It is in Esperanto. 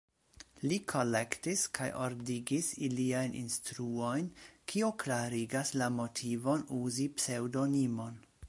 Li kolektis kaj ordigis iliajn instruojn, kio klarigas la motivon uzi pseŭdonimon.